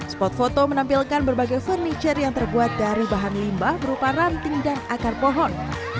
spot foto menampilkan berbagai furniture yang terbuat dari bahan limbah berupa ranting dan akar pohon